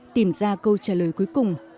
tìm ra câu trả lời cuối cùng